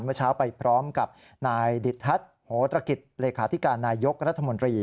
เมื่อเช้าไปพร้อมกับนายดิทัศน์โหตรกิจเลขาธิการนายยกรัฐมนตรี